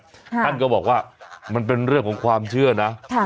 ท่านก็บอกว่ามันเป็นเรื่องของความเชื่อนะ